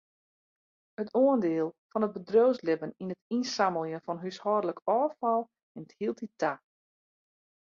It oandiel fan it bedriuwslibben yn it ynsammeljen fan húshâldlik ôffal nimt hieltyd ta.